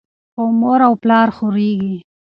خو مور او پلار ځورېږي.